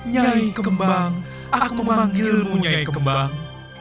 nyaih kembang aku memanggilmu nyaih kembang